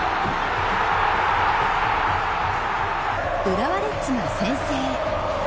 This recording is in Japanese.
浦和レッズが先制。